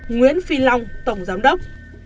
nguyễn phi long tổng giám đốc